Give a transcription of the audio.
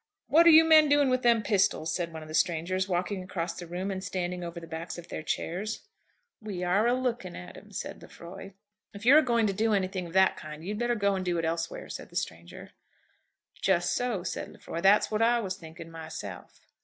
"What are you men doing with them pistols?" said one of the strangers, walking across the room, and standing over the backs of their chairs. "We are alooking at 'em," said Lefroy. "If you're agoing to do anything of that kind you'd better go and do it elsewhere," said the stranger. "Just so," said Lefroy. "That's what I was thinking myself."